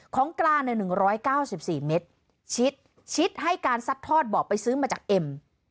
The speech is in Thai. ของกลางในหนึ่งร้อยเก้าสิบสี่เมตรชิดชิดให้การซัดทอดบอกไปซื้อมาจากเอ็ม